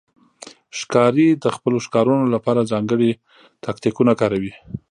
ښکاري د خپلو ښکارونو لپاره ځانګړي تاکتیکونه کاروي.